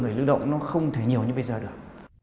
người lao động nó không thể nhiều như bây giờ được